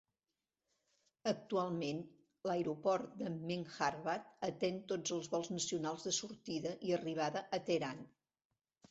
Actualment, l'aeroport de Mehrabad atén tots els vols nacionals de sortida i arribada a Teheran.